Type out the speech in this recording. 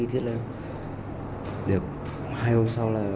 thế là được hai hôm sau